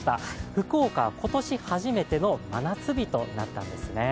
福岡、今年初めての真夏日となったんですね。